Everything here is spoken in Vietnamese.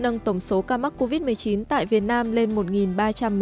nâng tổng số ca mắc covid một mươi chín tại việt nam lên một ba trăm một mươi ca